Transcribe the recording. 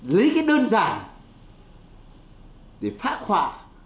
lấy cái đơn giản để phá khỏa